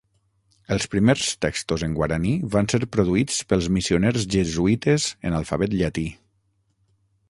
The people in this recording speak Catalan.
Els primers textos en guaraní van ser produïts pels missioners jesuïtes en alfabet llatí.